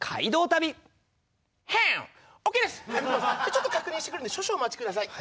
ちょっと確認してくるんで少々お待ちください。